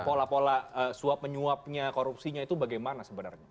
pola pola suap menyuapnya korupsinya itu bagaimana sebenarnya